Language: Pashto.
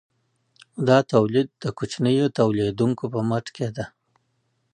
دا تولید د کوچنیو تولیدونکو په مټ کیده.